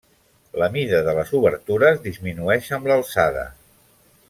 La mida de les obertures disminueix amb l'alçada.